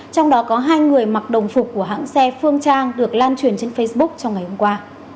trong đó có hai người mặc đồng phục của hãng xe phương trang được lan truyền trên facebook trong ngày hôm qua